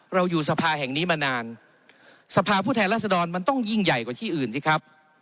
เราอยู่สภาแห่งนี้มานานสภาพผู้แทนรัศดรมันต้องยิ่งใหญ่กว่าที่อื่นสิครับ